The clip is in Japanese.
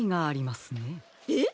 えっ！？